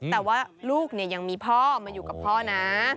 แต่ว่าลูกยังมีพ่อมาอยู่กับพ่อนะ